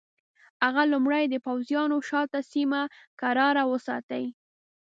هغه لومړی د پوځیانو شاته سیمه کراره وساتي.